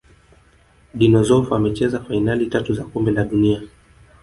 dino Zoff amecheza fainali tatu za kombe la dunia